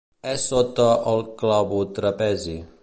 És sota el clavotrapezi.